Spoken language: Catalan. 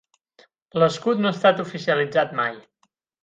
L'escut no ha estat oficialitzat mai.